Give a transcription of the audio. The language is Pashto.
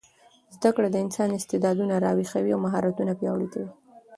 زده کړه د انسان استعداد راویښوي او مهارتونه پیاوړي کوي.